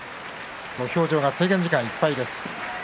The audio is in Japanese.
土俵上、制限時間いっぱいです。